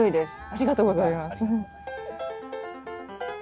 ありがとうございます。